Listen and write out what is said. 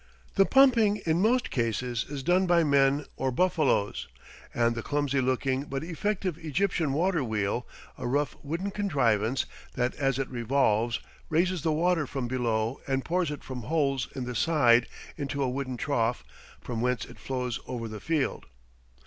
The pumping in most cases is done by men or buffaloes, and the clumsy looking but effective Egyptian water wheel, a rough wooden contrivance that as it revolves, raises the water from below and pours it from holes in the side into a wooden trough, from whence it flows over the field.